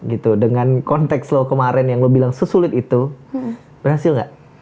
gitu dengan konteks lo kemarin yang lo bilang sesulit itu berhasil nggak